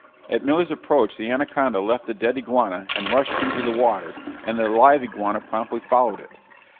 At Miller's approach the anaconda left the dead iguana and rushed into the water, and the live iguana promptly followed it.